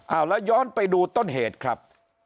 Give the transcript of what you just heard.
เอาแล้วย้อนไปดูต้นเหตุครับ